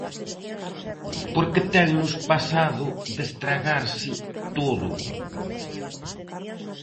Porque tennos pasado de estragarse todo.